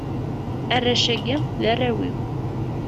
arrac-agi, d arraw-iw.